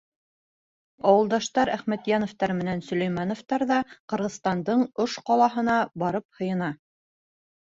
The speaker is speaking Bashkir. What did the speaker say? Ауылдаштар Әхмәтйәновтар менән Сөләймәновтар ҙа Ҡырғыҙстандың Ош ҡалаһына барып һыйына.